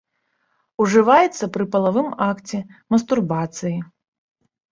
Ужываецца пры палавым акце, мастурбацыі.